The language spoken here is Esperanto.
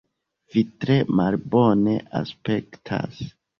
Vi tre malbone aspektas.